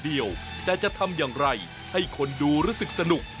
เดียวแต่จะทำอย่างไรให้คนดูรู้สึกสนุก